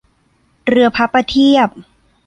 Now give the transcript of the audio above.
เรือพระประเทียบ